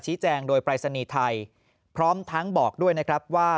แจ้งโดยปรายศนีย์ไทยพร้อมทั้งบอกด้วยนะครับว่า